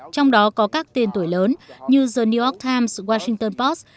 trong đó có các tên tuổi lớn như then new york times washington post